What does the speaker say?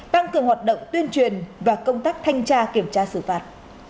tăng cường hoạt động tuyên truyền và công tác thanh tra kiểm tra xử phạt